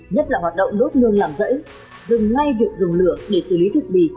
nhất là hoạt động đốt nương làm rẫy rừng ngay việc dùng lửa để xử lý thực bị